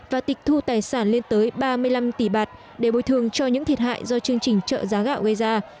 và tịch thu tài sản lên tới ba mươi năm tỷ bạt để bồi thường cho những thiệt hại do chương trình trợ giá gạo gây ra